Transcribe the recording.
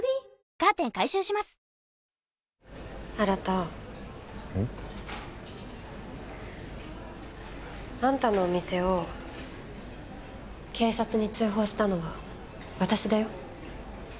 うん？あんたのお店を警察に通報したのは私だよ。